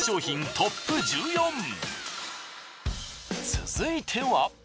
続いては。